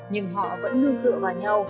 nhưng họ vẫn nương tựa vào nhau